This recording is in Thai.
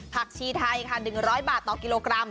ชีไทยค่ะ๑๐๐บาทต่อกิโลกรัม